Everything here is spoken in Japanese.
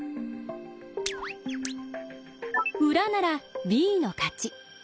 裏ならＢの勝ち。